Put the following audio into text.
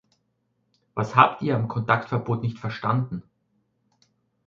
Was habt ihr am Kontaktverbot nicht verstanden?